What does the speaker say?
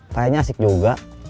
kayaknya asik juga